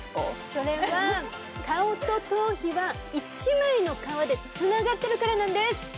それは顔と頭皮は１枚の皮でつながってるからなんです。